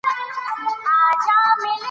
د کندهار هرات لاره لويه لار پر ميوند تيريږي .